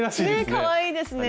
かわいいですね。